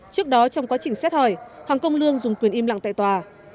trước đó trong quá trình xét hỏi hoàng công lương dùng quyền im lặng tại tòa